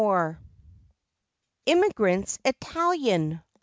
Immigrants Italian!